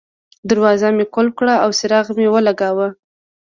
دروازه مې قلف کړه او څراغ مې ولګاوه.